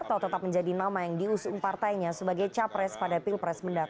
atau tetap menjadi nama yang diusung partainya sebagai capres pada pilpres mendatang